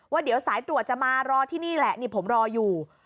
ว่าเดี๋ยวสายตรวจจะมารอที่นี่แหละนี่ผมรออยู่